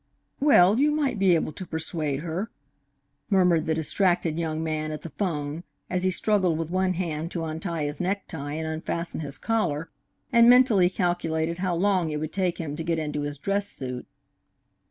"Well, you might be able to persuade her," murmured the distracted young man at the 'phone, as he struggled with one hand to untie his necktie and unfasten his collar, and mentally calculated how long it would take him to get into his dress suit.